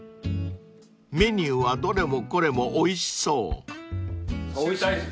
［メニューはどれもこれもおいしそう］